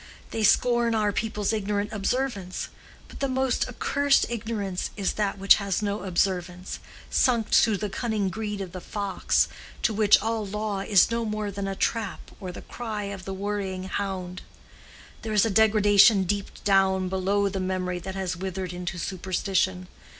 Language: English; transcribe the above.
They scorn our people's ignorant observance; but the most accursed ignorance is that which has no observance—sunk to the cunning greed of the fox, to which all law is no more than a trap or the cry of the worrying hound. There is a degradation deep down below the memory that has withered into superstition.